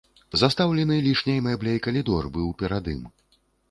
Застаўлены лішняй мэбляй калідор быў перад ім.